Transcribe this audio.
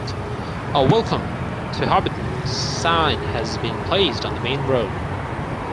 A "Welcome to Hobbiton" sign has been placed on the main road.